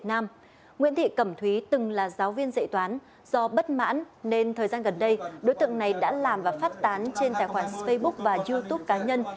nguyễn thị cẩm thúy từng là giáo viên dạy toán do bất mãn nên thời gian gần đây đối tượng này đã làm và phát tán trên tài khoản facebook và youtube cá nhân